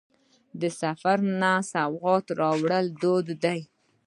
د سفر نه سوغات راوړل دود دی.